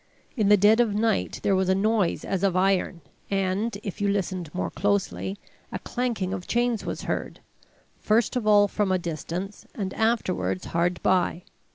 In the dead of night there was a noise as of iron, and, if you listened more closely, a clanking of chains was heard, first of all from a distance, and afterwards hard by.